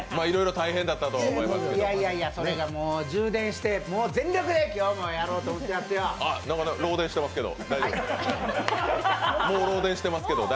いろいろ大変だったと思いますが。